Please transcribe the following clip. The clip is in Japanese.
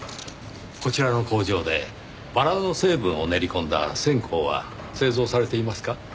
こちらの工場でバラの成分を練り込んだ線香は製造されていますか？